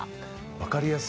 分かりやすい。